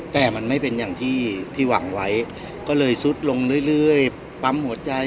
แต่มันไม่เป็นอย่างที่หวังไว้ก็เลยซุดลงเรื่อยปั๊มหัวใจ